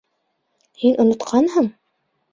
Һин онотҡанһың!